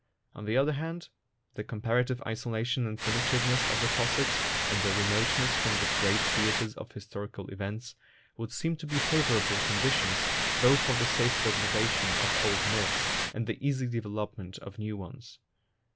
On the other hand, the comparative isolation and primitive ness of the Cossacks, and their remoteness from the great theatres of historical events, would seem to be favourable conditions both for the safe preservation of old myths and the easy development of new ones.